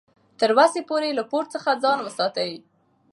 تر وسې پورې له پور څخه ځان وساتئ.